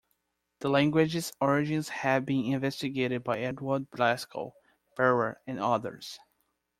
The language's origins have been investigated by Eduardo Blasco Ferrer and others.